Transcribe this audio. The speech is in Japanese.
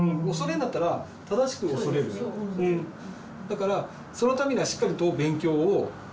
だからそのためにはしっかりと勉強をして。